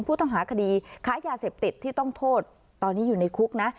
ผู้ต้องหาคดีค้ายาเสพติดที่ต้องโทษตอนนี้อยู่ในคุกนะ